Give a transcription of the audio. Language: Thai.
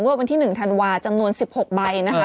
วันที่๑ธันวาจำนวน๑๖ใบนะคะ